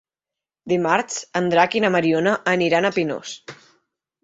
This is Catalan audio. Dimarts en Drac i na Mariona aniran a Pinós.